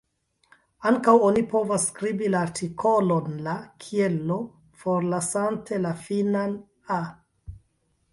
Ankaŭ, oni povas skribi la artikolon "la" kiel l’, forlasante la finan "-a".